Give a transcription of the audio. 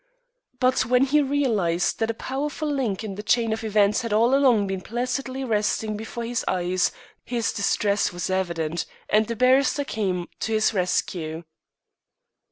But when he realized that a powerful link in the chain of events had all along been placidly resting before his eyes his distress was evident, and the barrister came to his rescue.